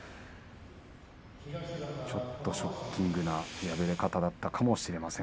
ちょっとショッキングな敗れ方だったかもしれません。